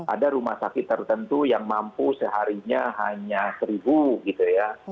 ada rumah sakit tertentu yang mampu seharinya hanya seribu gitu ya